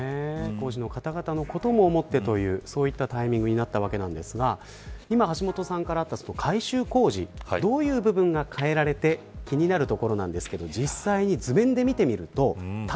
工事の方々のことも思ってというタイミングになったわけですが橋本さんからあった、改修工事どういう部分が変えられて気になるところですが実際に図面で見てみます。